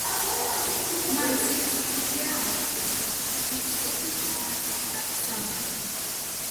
მან სხვისი იდეა ააცოცა და თავისად გაასაღა.